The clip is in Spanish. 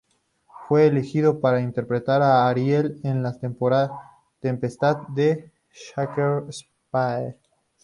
Fue elegido para interpretar a Ariel en "La tempestad", de Shakespeare.